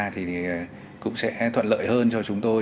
thì cũng sẽ thuận lợi hơn cho chúng tôi